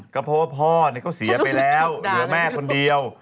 ก็เพราะว่าพ่อก็เสียไปแล้วเหลือแม่คนเดียว